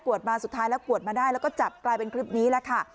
มาสุดท้ายแล้วกวดมาได้แล้วก็จับกลายเป็นคลิปนี้แหละค่ะ